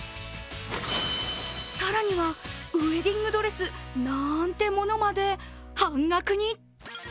更にはウエディングドレスなんてものまで半額に！